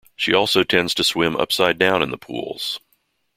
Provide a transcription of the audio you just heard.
She also tends to swim upside down in the pools.